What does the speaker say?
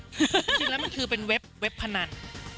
จริงแล้วมันคือเป็นเว็บพนัน